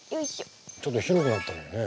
ちょっと広くなったのよね。